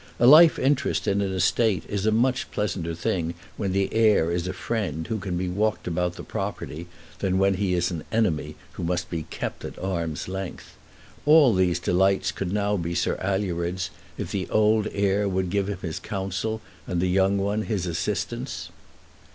A life interest in an estate is a much pleasanter thing when the heir is a friend who can be walked about the property, than when he is an enemy who must be kept at arm's length. All these delights could now be Sir Alured's, if the old heir would give him his counsel and the young one his assistance.